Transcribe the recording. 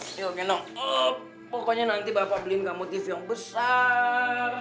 pokoknya nanti bapak beliin kamu tv yang besar